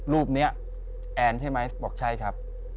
รูปนี้แอนใช่ไหมบอกใช่ครับ